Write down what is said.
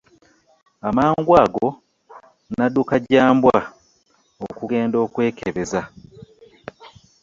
Amangu ago, nnadduka gya Mbwa okugenda okwekebeza